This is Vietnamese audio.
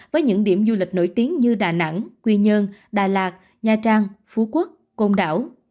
với những điểm du lịch nổi tiếng như đà nẵng quy nhơn đà lạt nha trang phú quốc côn đảo